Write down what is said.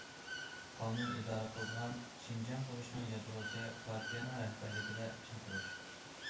قانۇن ئىدارە قىلىدىغان شىنجاڭ قۇرۇشنىڭ يادروسى پارتىيەنىڭ رەھبەرلىكىدە چىڭ تۇرۇش.